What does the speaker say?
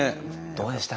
どうでした？